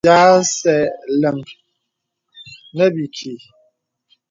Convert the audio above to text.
Nkàt zâ bi asɛlə̀ŋ nə̀ bìkì.